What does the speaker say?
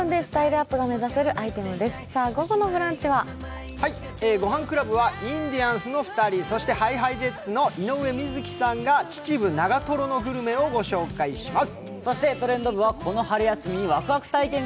午後の「ブランチ」は「ごはんクラブ」はインディアンスの２人、そしてＨｉＨｉＪｅｔｓの井上瑞稀さんが秩父・長瀞のグルメをご紹介します